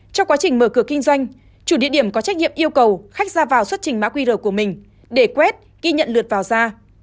trong quá trình mở cửa kinh doanh chủ địa điểm có trách nhiệm yêu cầu khách ra vào xuất trình mã qr của mình để quét ghi nhận lượt vào ra